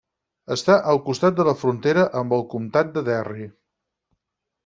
Està al costat de la frontera amb el comtat de Derry.